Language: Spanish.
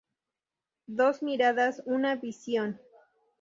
Dos miradas, una visión.